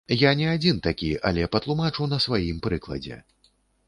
Я не адзін такі, але патлумачу на сваім прыкладзе.